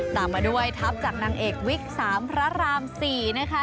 ตามมาด้วยทัพจากนางเอกวิก๓พระราม๔นะคะ